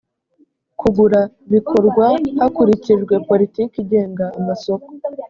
kugura bikorwa hakurikijwe politiki igenga amasoko